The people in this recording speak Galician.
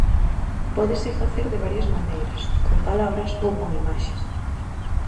Pódese facer de varias maneiras: con palabras ou con imaxes.